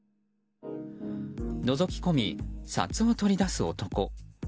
のぞき込み、札を取り出す男。